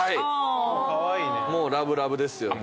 もうラブラブですよね。